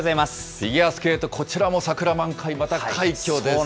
フィギュアスケート、こちらも桜満開、また快挙ですね。